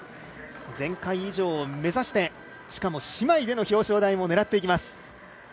前回以上を目指してしかも姉妹での表彰台を狙っていきます。